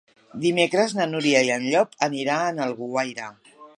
Dimecres na Núria i en Llop aniran a Alguaire.